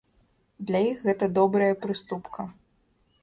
Для іх гэта добрая прыступка.